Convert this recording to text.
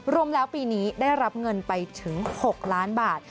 รวมแล้วปีนี้ได้รับเงินไปถึง๖ล้านบาท